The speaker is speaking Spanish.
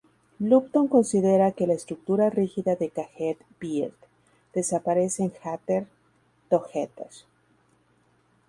Lupton considera que la estructura rígida de "Caged Bird" desaparece en "Gather Together".